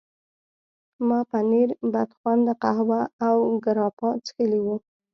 ما پنیر، بدخونده قهوه او ګراپا څښلي وو.